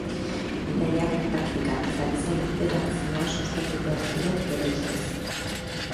Bidaiak, praktika eta giza interakzioa sustatu behar ziren bere ustez.